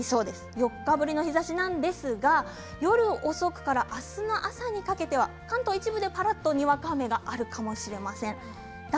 ４日ぶりの日ざしなんですが夜遅く明日の朝にかけては関東一部でぱらっとにわか雨があるかもしれません。